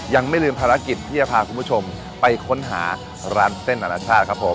ยังไม่ลืมภารกิจที่จะพาคุณผู้ชมไปค้นหาร้านเส้นอนาชาติครับผม